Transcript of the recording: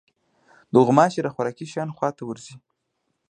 غوماشې د خوراکي شیانو خوا ته ورځي.